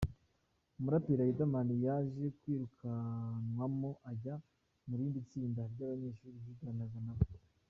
Umuraperi Riderman yaje kwirukanwamo ajya mu rindi tsinda ry’abanyeshuri yiganaga na bo.